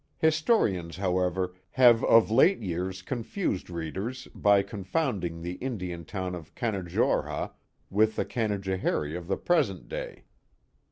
Historians, however, have of late years confused readers by confounding the Indian town of Canajorha with the Canajo harie of the present day.